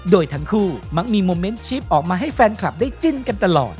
โดยทั้งคู่มักมีโมเมนต์ชิปออกมาให้แฟนคลับได้จิ้นกันตลอด